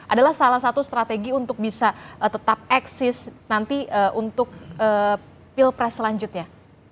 adalah salah satu strategi untuk bisa tetap eksis nanti untuk pilpres selanjutnya